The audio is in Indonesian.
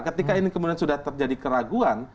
ketika ini kemudian sudah terjadi keraguan